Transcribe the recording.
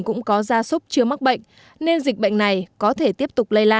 cũng có gia súc chưa mắc bệnh nên dịch bệnh này có thể tiếp tục lây lan